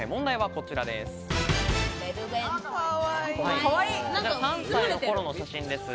こちら３歳の頃の写真です。